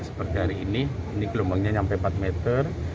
seperti hari ini ini gelombangnya sampai empat meter